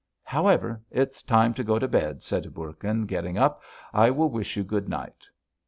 "However, it's time to go to bed," said Bourkin, getting up. "I will wish you good night."